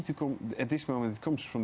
saat ini datang dari laut